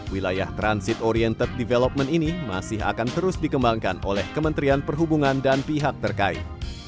wilayah transit oriented development ini masih akan terus dikembangkan oleh kementerian perhubungan dan pihak terkait